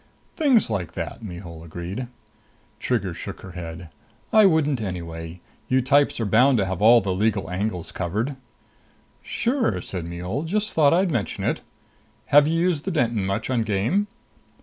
"Things like that," Mihul agreed. Trigger shook her head. "I wouldn't anyway. You types are bound to have all the legal angles covered." "Sure," said Mihul. "Just thought I'd mention it. Have you used the Denton much on game?"